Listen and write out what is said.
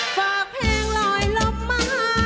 ฝากแผงลอยลบมา